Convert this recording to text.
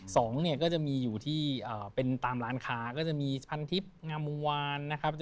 สองเนี่ยก็จะมีอยู่ที่เป็นตามร้านค้าก็จะมีพันทิพย์งามวงวานนะครับ